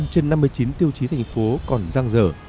bốn mươi năm trên năm mươi chín tiêu chí thành phố còn giang dở